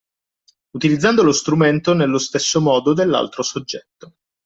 Utilizzando lo strumento nello stesso modo dell’altro soggetto.